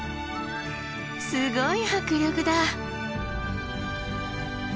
すごい迫力だ。